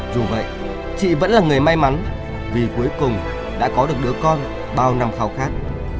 dù vậy chị vẫn là người may mắn vì cuối cùng đã có được đứa con bao năm phao khát